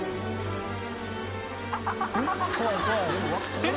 えっ？